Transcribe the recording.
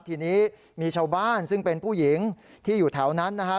ทีนี้มีชาวบ้านซึ่งเป็นผู้หญิงที่อยู่แถวนั้นนะครับ